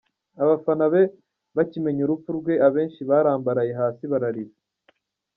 Abafana be bakimenya urupfu rwe, abenshi barambaraye hasi bararira.